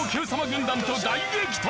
軍団と大激突！